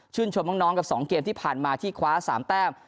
ชมน้องกับ๒เกมที่ผ่านมาที่คว้า๓แต้ม